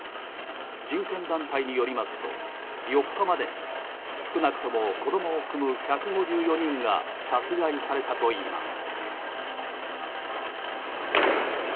人権団体によりますと４日までに少なくとも子供を含む１５４人が殺害されたといいます。